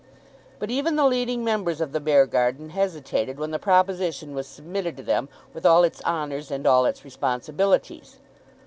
But even the leading members of the Beargarden hesitated when the proposition was submitted to them with all its honours and all its responsibilities.